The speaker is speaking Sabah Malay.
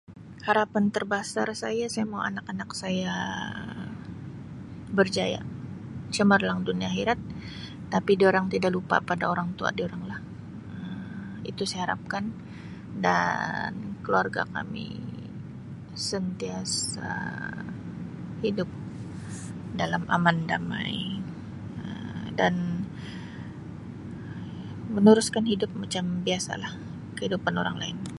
Harapan tarbasar saya, saya mau anak-anak saya berjaya, cemerlang dunia akhirat tapi durang tidak lupa pada orang tua duranglah Um itu saya harapkan dan keluarga kami sentiasa hidup dalam aman damai Um dan meneruskan hidup macam biasalah, kehidupan orang lain.